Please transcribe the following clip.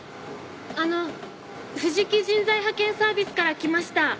あの藤木人材派遣サービスから来ました。